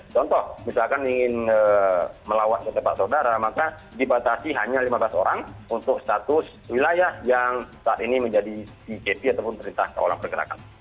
contoh misalkan ingin melawat ke tempat saudara maka dibatasi hanya lima belas orang untuk status wilayah yang saat ini menjadi pkp ataupun perintah kawalan pergerakan